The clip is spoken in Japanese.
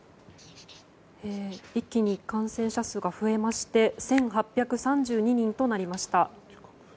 一気に感染者数が増えまして１８３２人となりました。